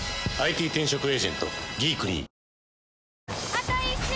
あと１周！